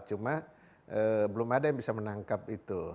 cuma belum ada yang bisa menangkap itu